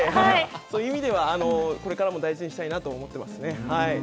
そういう意味では、これからも大事にしたいなと思っていますね、はい。